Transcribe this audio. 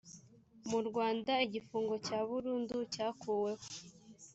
mu rwanda igifungo cya burundu cyakuweho